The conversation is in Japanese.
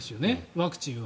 ワクチンは。